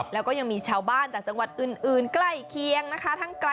แล้วก็ยังมีชาวบ้านจากจังหวัดอื่นใกล้เคียงนะคะ